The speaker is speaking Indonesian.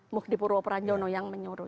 muhdipurwo pranjono yang menyuruh